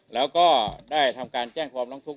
แล้วก็ได้ทำการแจ้งความร้องทุกข